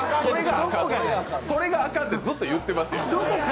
それがあかんてずっと言ってますやん。